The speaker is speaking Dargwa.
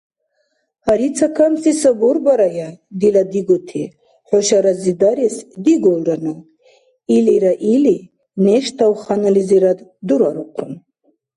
– Гьари, цакамси сабурбарая, дила дигути, хӀуша разидарес дигулрану, – илира или, неш тавханализирад дурарухъун.